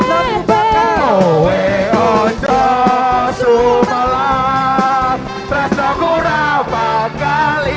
pokok anane bakal meeaboe pesuka perasaan ku rapah kali